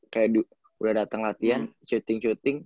kayak udah dateng latihan shooting shooting